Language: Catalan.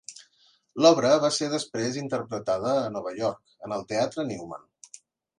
L'obra va ser després interpretada a Nova York, en el Teatre Newman.